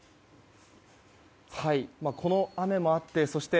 この雨もあってそして、